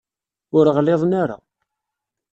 Ur ɣliḍen ara.